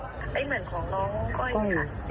เหมือนของน้องก้อยค่ะ